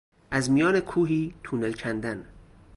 از میان کوهی تونل کندن